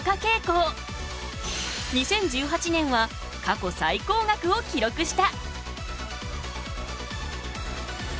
２０１８年は過去最高額を記録した。